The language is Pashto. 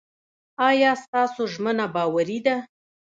ایا ستاسو ژمنه باوري ده؟